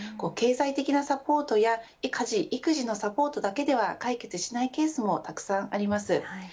経済的なサポートや家事、育児のサポートだけでは解決しないケースもたくさんあります。